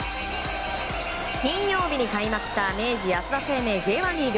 金曜日に開幕した明治安田生命Ｊ１リーグ。